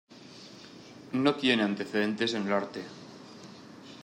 No tiene antecedentes en el arte.